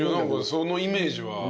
そのイメージは。